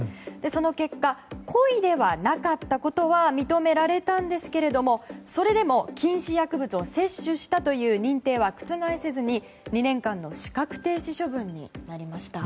その結果故意ではなかったことは認められたんですけれどもそれでも禁止薬物を摂取したという認定は覆せずに、２年間の資格停止処分になりました。